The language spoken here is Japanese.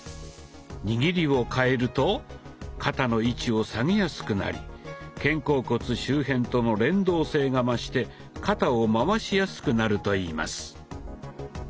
握りを替えると肩の位置を下げやすくなり肩甲骨周辺との連動性が増して肩を回しやすくなるといいます。